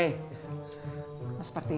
oh seperti itu